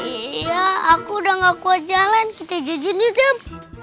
iya aku udah gak kuat jalan kita jajan yuk dem